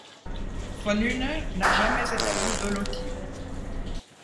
Von Huene n'a jamais établi d'holotype.